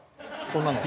そんなの。